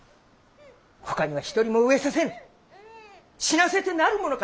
ほかには一人も飢えさせぬ死なせてなるものか！